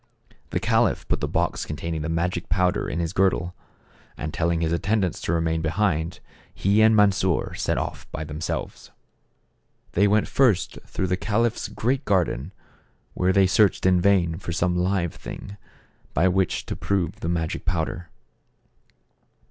The caliph put the box contain ing the magic powder in his girdle, and telling his attendants to remain behind, he and Mansor set off by themselves. They went first through the caliph's great garden, where they searched in vain for some live thing, by which to prove the magic powder.